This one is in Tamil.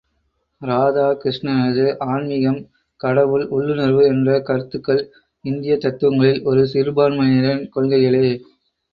ராதாகிருஷ்ணனது ஆன்மீகம், கடவுள், உள்ளுணர்வு என்ற கருத்துக்கள் இந்தியத் தத்துவங்களில் ஒரு சிறுபான்மையினரின் கொள்கைகளே.